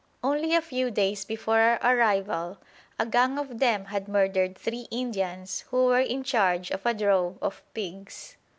Only a few days before our arrival a gang of them had murdered three Indians who were in charge of a drove of pigs.